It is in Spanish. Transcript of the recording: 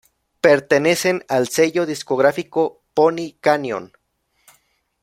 Pertenecen al sello discográfico Pony Canyon.